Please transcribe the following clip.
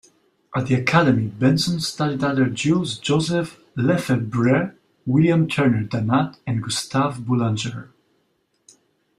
At the Academy, Benson studied under Jules-Joseph Lefebvre, William Turner Dannat, and Gustave Boulanger.